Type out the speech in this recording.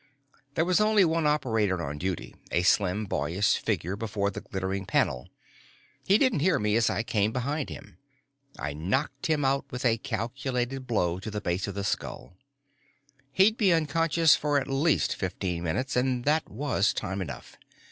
There was only one operator on duty, a slim boyish figure before the glittering panel. He didn't hear me as I came behind him. I knocked him out with a calculated blow to the base of the skull. He'd be unconscious for at least fifteen minutes and that was time enough.